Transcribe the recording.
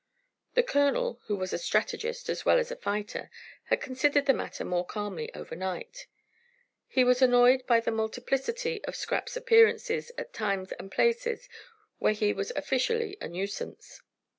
The colonel, who was a strategist as well as a fighter, had considered the matter more calmly overnight. He was annoyed by the multiplicity of Scrap's appearances at times and places where he was officially a nuisance.